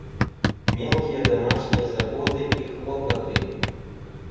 Мелкие домашние заботы и хлопоты.